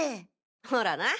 ほらな。